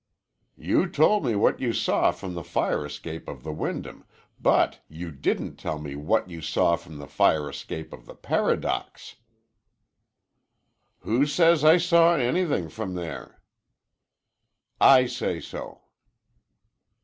"You told me what you saw from the fire escape of the Wyndham, but you didn't tell what you saw from the fire escape of the Paradox." "Who says I saw anything from there?" "I say so."